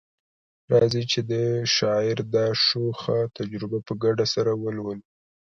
راځئ چي د شاعر دا شوخه تجربه په ګډه سره ولولو